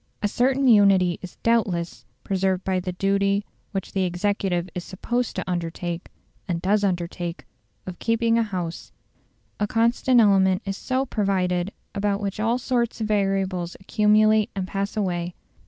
A certain unity is doubtless preserved by the duty which the executive is supposed to undertake, and does undertake, of keeping a house; a constant element is so provided about which all sorts of variables accumulate and pass away.